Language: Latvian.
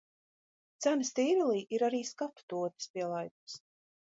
Cenas tīrelī ir arī skatu tornis pie laipas.